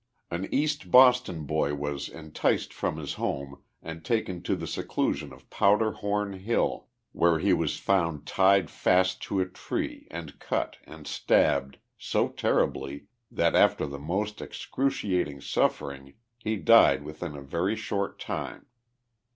An East Boston boy was enticed from his home and taken to the seclusion of Powder Horn Hill, where he was found tied fast to a tree and cut, and stabbed, so terribly that, after the most excruciating suffering, he died within a very short time.